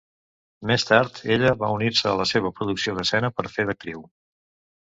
Més tard ella va unir-se a la seva producció d'escena per fer d'actriu.